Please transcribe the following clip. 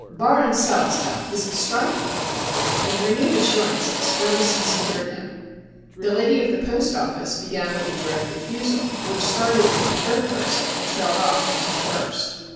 Barrin' sells, now, is it strite?" With renewed assurances Ferguson secured him. The lady of the post office began with a direct refusal, which started in the third person and trailed off into the first.